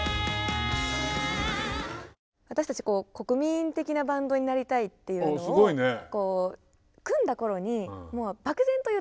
私たち国民的なバンドになりたいっていうのを組んだ頃にもう漠然と言ってたんですね。